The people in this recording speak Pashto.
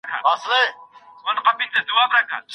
د ملکيت حدود مراعات کړئ.